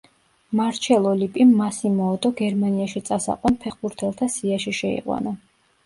მარჩელო ლიპიმ მასიმო ოდო გერმანიაში წასაყვან ფეხბურთელთა სიაში შეიყვანა.